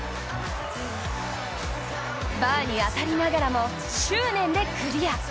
バーに当たりながらも執念でクリア。